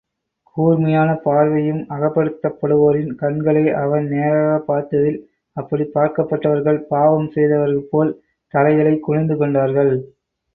கூர்மையான பார்வையும், அறிமுகப்படுத்தப்படுவோரின் கண்களை, அவன், நேராகப் பார்த்ததில், அப்படிப் பார்க்கப்பட்டவர்கள் பாவம் செய்தவர்கள்போல், தலைகளை குனிந்து கொண்டார்கள்.